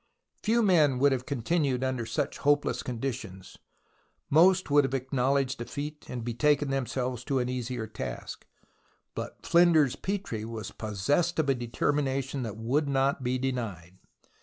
Few men would have continued under such hopeless conditions ; most would have acknowledged defeat and betaken themselves to an easier task. But Flinders Petrie was possessed of a determina tion that would not be denied.